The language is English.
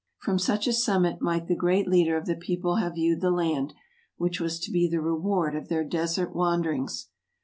From such a summit might the great leader of the people have viewed the land, which was to be the reward of their desert wanderings.